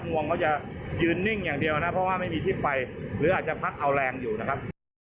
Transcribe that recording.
งวงเขาจะยืนนิ่งอย่างเดียวนะเพราะว่าไม่มีที่ไปหรืออาจจะพัดเอาแรงอยู่นะครับ